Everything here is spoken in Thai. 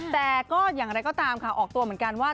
แต่ก็อย่างไรก็ตามค่ะออกตัวเหมือนกันว่า